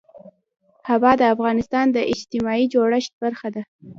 هوا د افغانستان د اجتماعي جوړښت برخه ده.